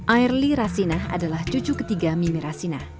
airly rasina adalah cucu ketiga mimi rasina